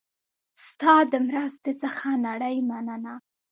ستا د مرستې څخه نړۍ مننه